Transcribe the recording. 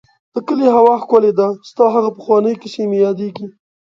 د کلي هوا ښکلې ده ، ستا هغه پخوانی کيسې مې ياديږي.